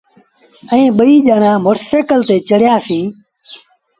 ائيٚݩ ٻئيٚ ڄآڻآن موٽر سآئيٚڪل تي چڙهيآ سيٚݩ۔